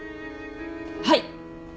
はい！